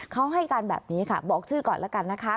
เขาให้การแบบนี้ค่ะบอกชื่อก่อนแล้วกันนะคะ